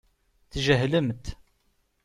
Tjehlemt.